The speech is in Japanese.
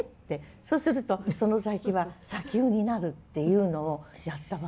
そうするとその先は砂丘になるっていうのをやったわけね。